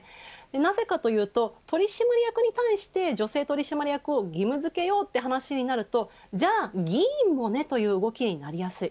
なぜかというと取締役に対して女性取締役を義務付けようという話になるとじゃあ議員もねという動きになりやすい。